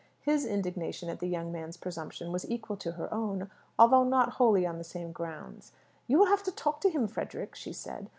His indignation at the young man's presumption was equal to her own: although not wholly on the same grounds. "You will have to talk to him, Frederick," she said.